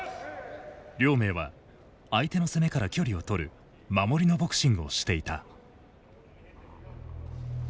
亮明は相手の攻めから距離を取る守りのボクシングをしていた。